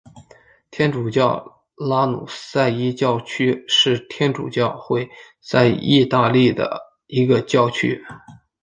天主教拉努塞伊教区是天主教会在义大利的一个教区。